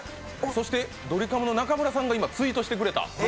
そしてドリカムの中村さんがツイートしてくれた。